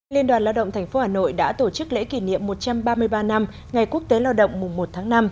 liên đoàn lao động thành phố hà nội đã tổ chức lễ kỷ niệm một trăm ba mươi ba năm ngày quốc tế lao động mùa một tháng năm